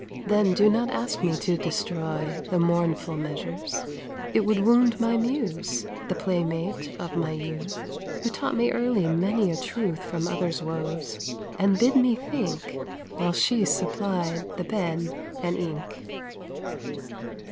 Then do not ask me to destroy The mournful measures; it would wound My Muse the playmate of my youth Who taught me early many a truth From others' woes, and bid me think While she supplied the pen and ink.